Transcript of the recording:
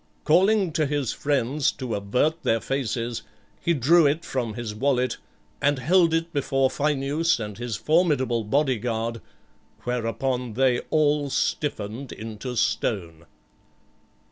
Calling to his friends to avert their faces, he drew it from his wallet, and held it before Phineus and his formidable body guard, whereupon they all stiffened into stone.